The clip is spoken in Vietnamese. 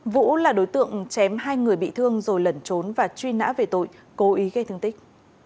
vũ là đối tượng chém hai người bị thương rồi lẩn trốn và truy nã về tội cố ý gây thương tích